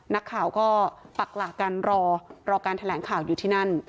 นักข่าวก็ปักหลักกันรอรอการแถลงข่าวอยู่ที่นั่น